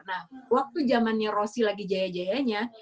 nah waktu jamannya rosie lagi jaya jayanya